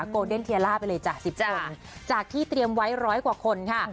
โกเดนเทียล่าไปเลยจ้ะ๑๐คนจากที่เตรียมไว้ร้อยกว่าคนค่ะ